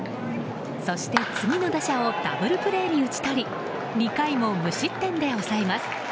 そして、次の打者をダブルプレーに打ち取り２回も無失点で抑えます。